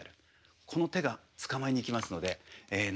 この手が捕まえに行きますので何でもいいですよ。